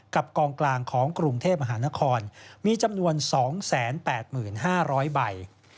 กองกลางของกรุงเทพมหานครมีจำนวน๒๘๕๐๐ใบ